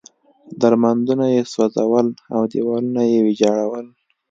درمندونه یې سوځول او دېوالونه یې ویجاړول.